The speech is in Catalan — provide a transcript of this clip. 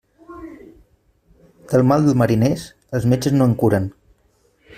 Del mal de mariners, els metges no en curen.